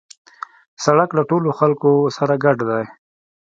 سړک له ټولو خلکو سره ګډ دی.